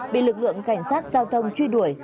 bị lực lượng cảnh sát giao thông truy đuổi